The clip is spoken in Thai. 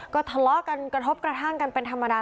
ก็ทะเลาะกันกระทบกระทั่งกันเป็นธรรมดา